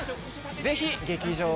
ぜひ劇場で。